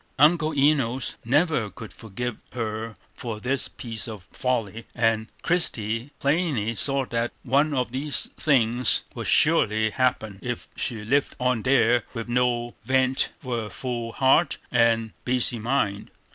Uncle Enos never could forgive her for this piece of folly, and Christie plainly saw that one of three things would surely happen, if she lived on there with no vent for her full heart and busy mind.